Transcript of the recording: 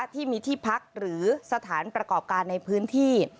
ที่มีที่พักหรือสถานประกอบการในพื้นที่